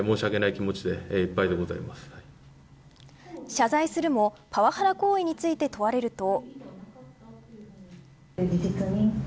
謝罪するもパワハラ行為について問われると。